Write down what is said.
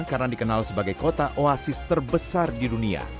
karena dikenal sebagai kota oasis terbesar di dunia